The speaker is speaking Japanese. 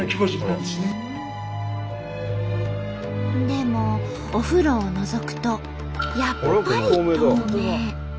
でもお風呂をのぞくとやっぱり透明。